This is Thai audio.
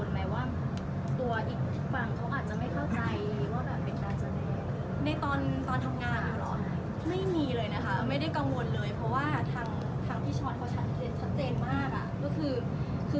ไม่ได้กังวลเลยเพราะทางพี่ช้อนเข้าแช่งชัดเจนมาก